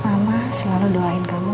mama selalu doain kamu